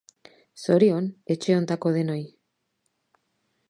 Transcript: Zorion, etxe hontako denoi.